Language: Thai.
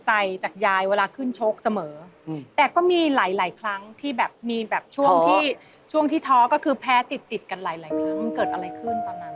แต่จะบอกยายเหนื่อยก็ไม่เหนื่อยเนอะ